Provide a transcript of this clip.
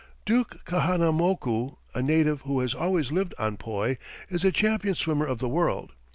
Duke Kahanamoku, a native who has always lived on poi, is the champion swimmer of the world.